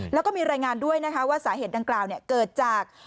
แล้วก็มีรายงานด้วยนะคะว่าสาเหตุดังกล่าวเกิดจาก